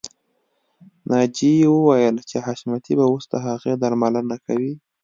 ناجیه وویل چې حشمتي به اوس د هغې درملنه کوي